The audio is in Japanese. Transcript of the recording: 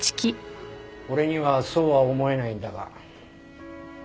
俺にはそうは思えないんだが。